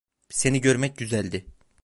Seni görmek güzeldi.